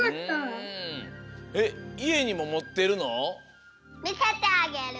えっいえにももってるの？